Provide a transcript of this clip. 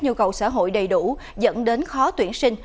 nhu cầu xã hội đầy đủ dẫn đến khó tuyển sinh